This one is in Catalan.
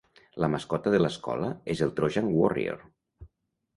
La mascota de l'escola és el Trojan Warrior.